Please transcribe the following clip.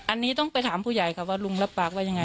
อันนี้ต้องไปถามผู้ใหญ่ค่ะว่าลุงรับปากว่ายังไง